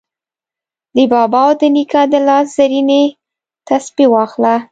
د بابا او د نیکه د لاس زرینې تسپې واخله